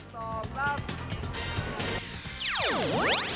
สองรับ